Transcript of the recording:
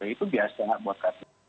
itu biasa buat kami